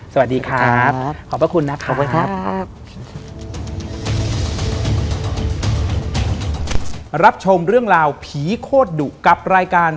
สวัสดีครับขอบพระคุณนะครับขอบคุณครับ